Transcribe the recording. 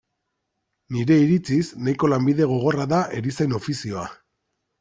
Nire iritziz, nahiko lanbide gogorra da erizain ofizioa.